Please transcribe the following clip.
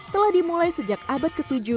telah dimulai sejak abad ke tujuh